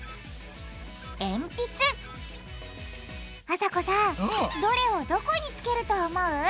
あさこさんどれをどこにつけると思う？